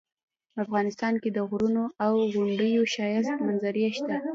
افغانستان کې د غرونو او غونډیو ښایسته منظرې شته